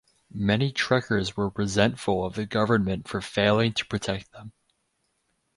Many trekkers were resentful of the government for failing to protect them.